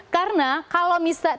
karena kalau misalnya